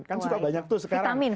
kan suka banyak tuh sekarang